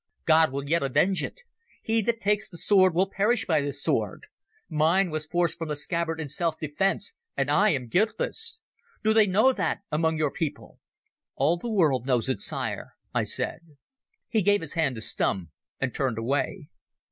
God will yet avenge it. He that takes the sword will perish by the sword. Mine was forced from the scabbard in self defence, and I am guiltless. Do they know that among your people?" "All the world knows it, sire," I said. He gave his hand to Stumm and turned away.